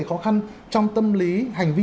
khó khăn trong tâm lý hành vi